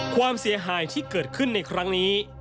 ความเสียหายที่เกิดขึ้นในครั้งนี้